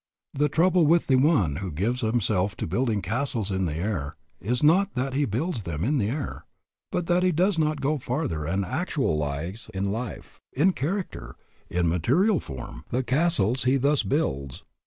The trouble with the one who gives himself to building castles in the air is not that he builds them in the air, but that he does not go farther and actualize in life, in character, in material form, the castles he thus builds.